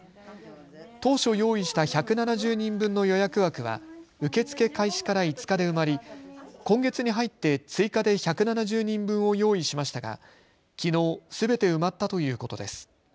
当初、用意した１７０人分の予約枠は受け付け開始から５日で埋まり今月に入って追加で１７０人分を用意しましたがきのう、すべて埋まったということです。